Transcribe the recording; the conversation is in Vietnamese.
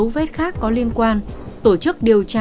vết cắt rất gọn